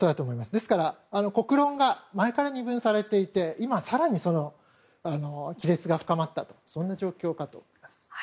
ですから、国論が前から二分されていて今、更にその亀裂が深まったという状況かと思います。